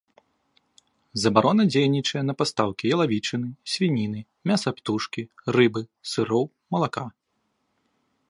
Забарона дзейнічае на пастаўкі ялавічыны, свініны, мяса птушкі, рыбы, сыроў, малака.